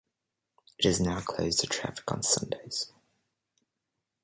It is now closed to traffic on Sundays.